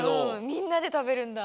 みんなでたべるんだ。